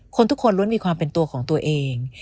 ทุกคนทุกคนล้วนมีความเป็นตัวของตัวเอง